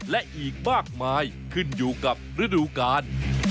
และอีกมากมายขึ้นอยู่กับฤดูกาล